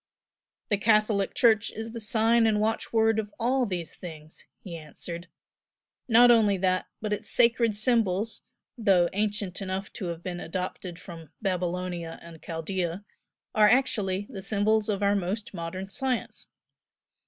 "The Catholic Church is the sign and watchword of all these things!" he answered "Not only that, but its sacred symbols, though ancient enough to have been adopted from Babylonia and Chaldea, are actually the symbols of our most modern science.